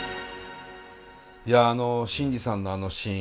いやあの新次さんのあのシーン